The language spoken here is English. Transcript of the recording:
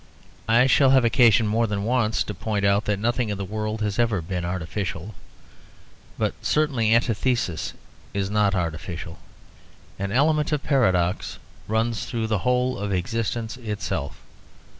I shall have occasion more than once to point out that nothing in the world has ever been artificial. But certainly antithesis is not artificial. An element of paradox runs through the whole of existence itself.